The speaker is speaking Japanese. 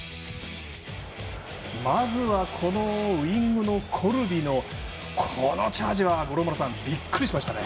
まずはウイングのコルビのこのチャージは五郎丸さん、びっくりしましたね。